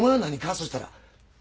そしたら。